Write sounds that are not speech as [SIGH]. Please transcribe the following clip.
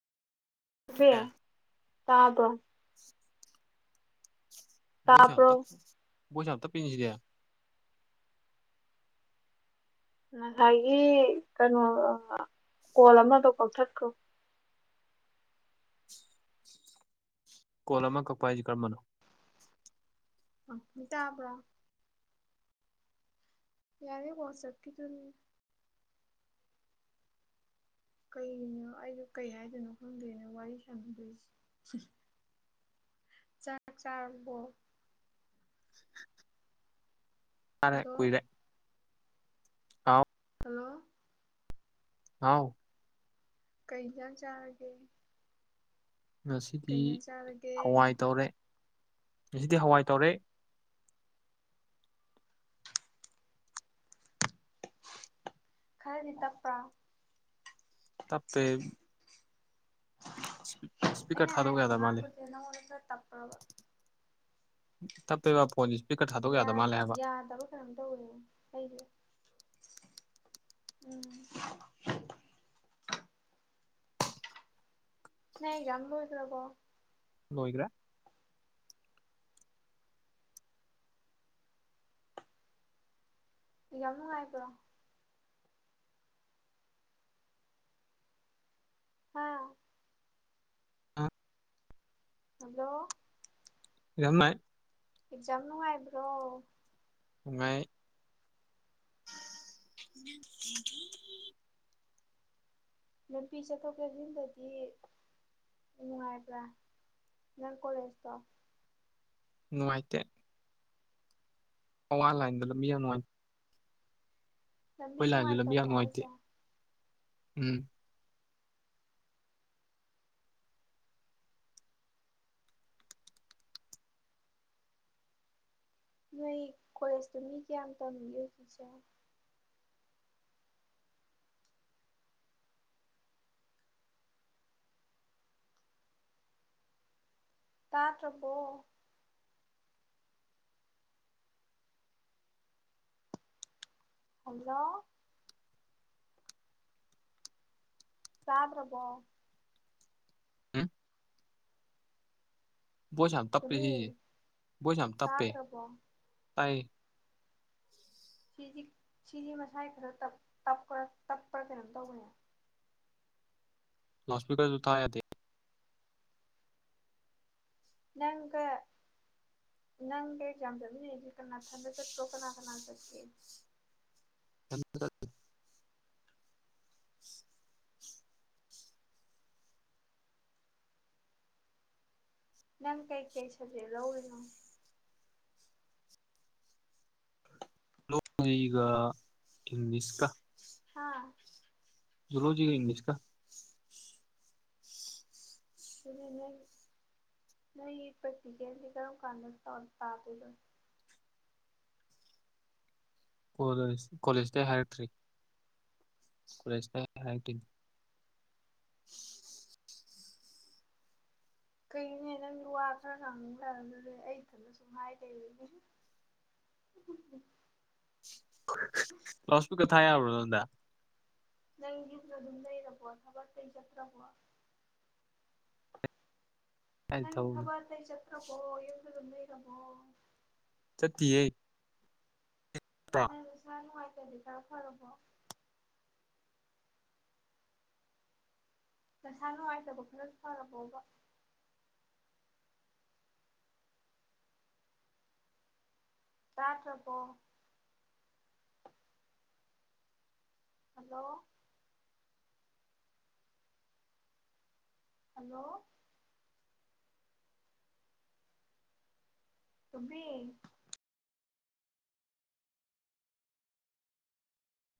ꯇꯕ ꯑꯦ ꯇꯥꯕ ꯣꯁꯥꯟꯇ ꯣꯁꯥꯟꯇ ꯄꯤꯁꯒ ꯉꯁꯥꯏꯒꯤ ꯀꯩꯅꯣ ꯀꯣꯜ ꯑꯃꯗꯣ ꯀꯛꯊꯠꯈ꯭ꯔꯣ ꯀꯣꯜ ꯑꯃ ꯀꯛꯄ ꯍꯥꯏꯁꯤ ꯀꯔꯝꯕꯅꯣ ꯑꯠꯇꯕ꯭ꯔꯥ ꯌꯥꯅꯤ ꯋꯥꯁꯄꯀꯤ ꯃꯇꯨꯡ ꯀꯩꯅꯣ ꯑꯩꯁꯨ ꯀꯩ ꯍꯥꯏꯗꯣꯏꯅꯣ ꯈꯪꯗꯣꯏꯅꯣ ꯋꯥꯔꯤ ꯁꯥꯟꯅꯗꯣꯏꯁꯦ ꯆꯥꯛ ꯆꯥꯛꯥꯛꯕꯣ [INAUDIBLE] ꯇꯔꯦ ꯍꯜꯂꯣ ꯀꯨꯏꯔꯦ ꯑꯥꯎ ꯍꯜꯂꯣ ꯑꯥꯎ ꯀꯩꯅꯩꯅ ꯆꯒꯦ ꯉꯁꯤꯗꯤ ꯍꯋꯥꯏ ꯇꯧꯔꯦ ꯉꯁꯤꯗꯤ ꯍꯋꯥꯏ ꯇꯧꯔꯦ ꯈꯔꯔꯤ ꯇꯄ ꯇꯞꯄꯦ ꯏꯁꯄꯤꯀꯔ ꯊꯥꯗꯣꯛ ꯌꯥꯗ ꯑꯩꯅ ꯃꯥꯜꯂꯦ ꯄꯨꯇꯅ ꯃꯡꯂꯗ ꯇꯞꯕ ꯇꯞꯦꯕ ꯐꯣꯅꯤ ꯌꯥꯗꯕ ꯀꯩꯅꯣꯝ ꯇꯧꯋꯅ ꯑꯩꯁꯦ ꯎꯝ ꯅ ꯀꯝꯕ ꯑꯣꯏꯗꯂꯀꯣ ꯂꯍꯤꯒ꯭ꯔꯥ ꯌꯥꯝ ꯅꯨꯡꯉꯥꯏꯕ꯭ꯔꯣ ꯑꯥ ꯌꯥꯝ ꯍꯜꯂꯣ ꯏꯝꯅꯥꯥꯏ ꯑꯦꯛꯖꯥꯝ ꯅꯨꯡꯉꯥꯏꯕ꯭ꯔꯣ ꯃꯉꯥꯏ ꯅꯨꯄꯤ ꯆꯠꯊꯣꯛ ꯆꯦꯁꯤꯟꯗꯗꯤ ꯅꯨꯡꯉꯥꯏꯕ꯭ꯔꯥ ꯅꯪ ꯀꯣꯂꯦꯖꯇꯣ ꯅꯨꯡꯉꯥꯏꯇ ꯋꯥꯟꯂꯥꯏꯟꯗ ꯂꯝꯕꯤꯅꯨꯉꯅꯤ ꯂꯝꯃꯤ ꯀꯨꯃꯔ ꯂꯝꯕꯤ ꯇ ꯌꯥꯝ ꯅꯨꯡꯉꯥꯏꯇꯦ ꯐꯁꯦ ꯎꯝ ꯅꯣꯏ ꯀꯣꯂꯦꯖꯇ ꯃꯤ ꯀꯌꯥꯝ ꯇꯝꯕꯤꯣ ꯁꯤꯆꯦ ꯇꯥꯇ꯭ꯔ ꯄꯣ ꯍꯜꯂꯣ ꯁꯥꯥꯕ꯭ꯔꯕꯣ ꯎꯝ ꯣꯁꯝ ꯇꯞꯦ ꯇꯨꯃꯤ ꯍ ꯣꯁꯝ ꯇꯞꯄꯦ ꯇꯥꯗ꯭ꯔꯕꯣ ꯇꯥꯏ ꯁꯤꯁꯤ ꯁꯤꯁꯤ ꯃꯁꯥꯏ ꯈꯔꯄ ꯇꯞꯄ꯭ꯔꯥ ꯀꯩꯅꯣꯝ ꯇꯧꯕꯅꯦ ꯂꯣꯁꯄꯤꯀꯔꯁꯨ ꯎ ꯊꯥꯗꯤ ꯅꯪꯒ ꯅꯪꯒ ꯆꯝꯖꯕꯤꯅ ꯀꯅꯥ ꯊꯟꯗ ꯆꯠꯄ꯭ꯔꯣ ꯀꯅꯥ ꯀꯅꯥ ꯆꯠꯀꯦ ꯌꯥꯝ ꯅꯪ ꯀꯩ ꯀꯩꯁꯗꯦ ꯂꯧꯧꯔꯤ ꯒ ꯏꯪꯂꯤꯁ ꯀ ꯍꯥꯥ ꯂꯣꯖꯤꯒ ꯏꯪꯂꯤꯁ ꯀ ꯀ ꯅ ꯄꯇ ꯀꯁꯤ ꯀꯔꯣ ꯀꯥꯟ ꯇꯧ ꯇꯥ ꯄꯗꯣ ꯀꯣꯂꯦ ꯀꯣꯂꯦꯖꯇ ꯍꯥꯏꯔꯛꯇ꯭ꯔꯤ ꯀꯣꯂꯦꯖꯇ ꯍꯥꯏꯔꯛꯇꯦ ꯀꯩꯅꯦ ꯅꯪꯒꯤ ꯋꯥ ꯈꯔ ꯉꯥꯡꯅꯤꯡꯗꯔ ꯑꯗꯨꯔꯦ ꯑꯩ ꯏꯊꯟꯗ ꯁ ꯉꯥꯏ ꯂꯩꯔꯅꯤ ꯔꯁꯄ ꯀ ꯊꯥꯏꯕ ꯗ ꯒꯤꯅ ꯑꯗꯨꯝ ꯂꯩꯔꯕ ꯊꯕꯛꯇꯩ ꯆꯠꯈ꯭ꯔꯕ ꯀꯥꯏ ꯅ ꯊꯕꯛꯅꯣ ꯈꯕꯔ ꯇ ꯆꯠ ꯭ꯔꯄꯣ ꯌꯦꯗꯅ ꯏꯔꯄꯣ ꯆꯠꯇꯦ ꯃ ꯁꯔ ꯀꯗꯤꯀ ꯐꯔꯕꯣ ꯅꯁꯥ ꯅꯨꯡꯉꯥꯏꯇꯕ ꯈꯔ ꯐꯔꯕꯣꯕ ꯁꯥꯥꯇ꯭ꯔꯄꯣ ꯍꯜꯂꯣ ꯍꯜꯂꯣ ꯇꯕꯤ